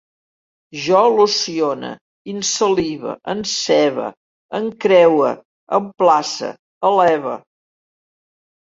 Jo locione, insalive, encebe, encreue, emplace, eleve